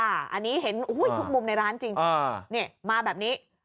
อันนี้เห็นทุกมุมในร้านจริงมาแบบนี้